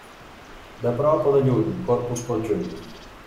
De prop o de lluny, Corpus pel juny.